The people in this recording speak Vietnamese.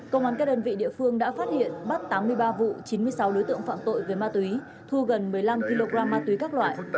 công an các đơn vị địa phương đã phát hiện bắt tám mươi ba vụ chín mươi sáu đối tượng phạm tội về ma túy thu gần một mươi năm kg ma túy các loại